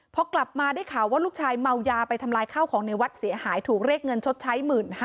พอกลับมาได้ข่าวว่าลูกชายเมายาไปทำลายข้าวของในวัดเสียหายถูกเรียกเงินชดใช้๑๕๐๐